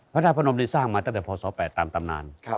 ประธาชน์พระนมถ้าหมาตั้งแต่พศ๘ตามตำนาน